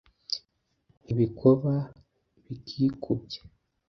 Ibikoba bikikubye